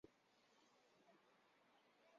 Ur nsell ara i ṣṣut n yiseḥḥaren.